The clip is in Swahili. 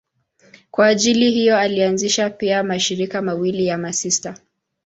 Kwa ajili hiyo alianzisha pia mashirika mawili ya masista.